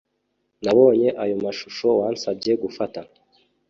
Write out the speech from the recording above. nabonye ayo mashusho wansabye gufata